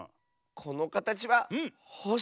このかたちはほし。